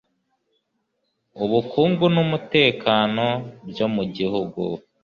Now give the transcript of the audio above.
ubukungu n'umutekano byo mu gihugu